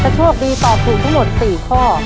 โชคดีตอบถูกทั้งหมด๔ข้อ